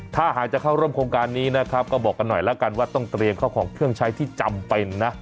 ถ้าหากจะเข้าร่วมโครงการนี้นะครับก็บอกกันหน่อยแล้วกันว่าต้องเตรียมเข้าของเครื่องใช้ที่จำเป็นนะ